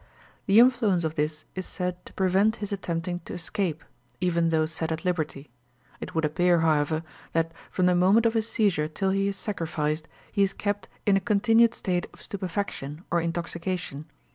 The influence of this is said to prevent his attempting to escape, even though set at liberty. It would appear, however, that, from the moment of his seizure till he is sacrificed, he is kept in a continued state of stupefaction or intoxication.